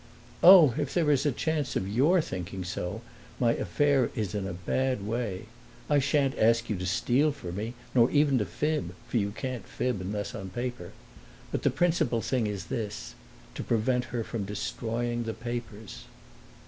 "Oh, if there is a chance of YOUR thinking so my affair is in a bad way! I shan't ask you to steal for me, nor even to fib for you can't fib, unless on paper. But the principal thing is this to prevent her from destroying the papers."